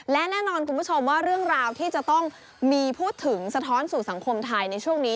และแน่นอนคุณผู้ชมว่าเรื่องราวที่จะต้องมีพูดถึงสะท้อนสู่สังคมไทยในช่วงนี้